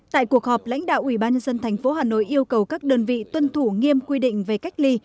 tại cuộc họp lãnh đạo ủy ban dân thành phố hà nội yêu cầu các đơn vị tuân thủ nghiêm quy định về cách ly